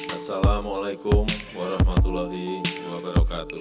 assalamu'alaikum warahmatullahi wabarakatuh